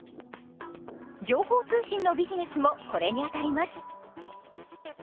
情報通信のビジネスもこれにあたります。